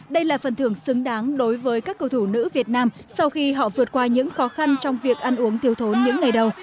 đây là phần thưởng xứng đáng đối với các cầu thủ nữ việt nam sau khi họ vượt qua những khó khăn trong việc ăn uống thiếu thốn những ngày đầu